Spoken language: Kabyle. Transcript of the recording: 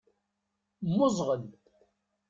Mmuẓɣel.